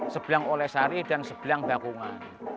sebelang oleh sari dan sebelang dakungan